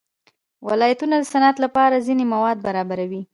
ولایتونه د صنعت لپاره ځینې مواد برابروي.